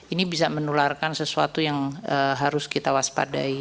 ini bisa menularkan sesuatu yang harus kita waspadai